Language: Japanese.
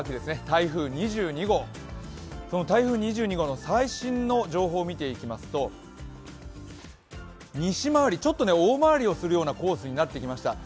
その台風２２号の最新の情報を見ていきますと西回りちょっと大回りをするコースとなってきました。